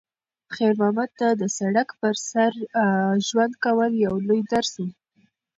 خیر محمد ته د سړک پر سر ژوند کول یو لوی درس و.